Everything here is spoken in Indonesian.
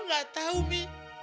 abah gak tau mi